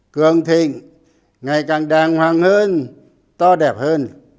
cường thịnh ngày càng đàng hoàng hơn to đẹp hơn